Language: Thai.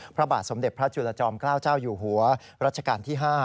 พระบาทสมเด็จพระจุลจอมเกล้าเจ้าอยู่หัวรัชกาลที่๕